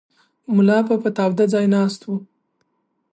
ملا به په تاوده ځای ناست و.